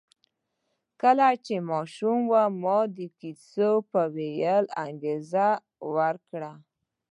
کله چې ماشوم و ما د کیسو په ویلو انګېزه ورکړه